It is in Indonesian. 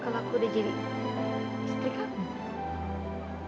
kalau aku udah jadi istri kamu